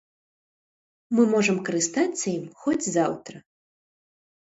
Мы можам карыстацца ім хоць заўтра.